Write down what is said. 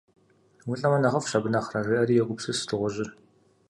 УлӀэмэ, нэхъыфӀщ, абы нэхърэ, жеӏэри йогупсыс дыгъужьыр.